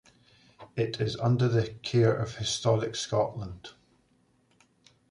It is under the care of Historic Scotland.